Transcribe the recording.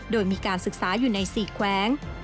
โดยมีการศึกษาอยู่ใน๔แขวง